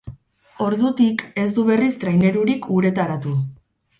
Ordutik ez du berriz trainerurik uretaratu.